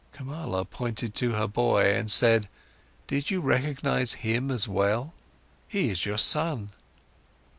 Kamala pointed to her boy and said: "Did you recognise him as well? He is your son."